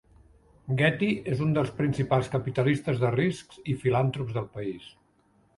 Getty és un dels principals capitalistes de risc i filantrops del país.